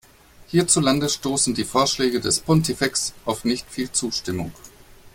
Hierzulande stoßen die Vorschläge des Pontifex auf nicht viel Zustimmung.